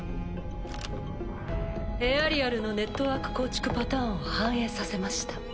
エアリアルのネットワーク構築パターンを反映させました。